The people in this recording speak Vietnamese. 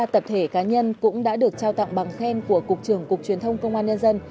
ba tập thể cá nhân cũng đã được trao tặng bằng khen của cục trưởng cục truyền thông công an nhân dân